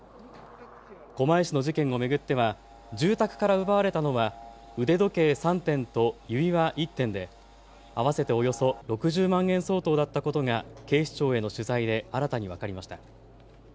狛江市の事件を巡っては住宅から奪われたのは腕時計３点と指輪１点で合わせておよそ６０万円相当だったことが警視庁への取材で新たに分かりました。